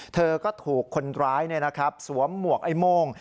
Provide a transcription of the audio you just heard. เธอก็ถูกคนร้ายสวมหมวกไอ้โม่ง